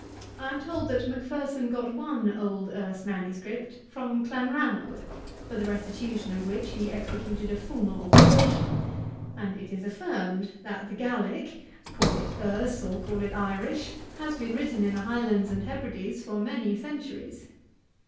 I am told that Macpherson got one old Erse MS. from Clanranald, for the restitution of which he executed a formal obligation; and it is affirmed, that the Gaelick (call it Erse or call it Irish,) has been written in the Highlands and Hebrides for many centuries.